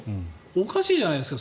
おかしいじゃないですか。